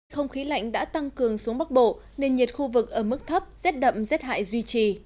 không khí lạnh đã tăng cường xuống bắc bộ nên nhiệt khu vực ở mức thấp rét đậm rét hại duy trì